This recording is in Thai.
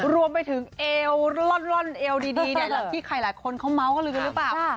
รวมไปถึงเอวร่อนร่อนเอวดีเนี่ยที่ใครหลายคนเขาม้าวก็ลืมกันหรือเปล่า